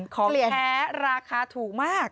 แท้ราคาถูกมาก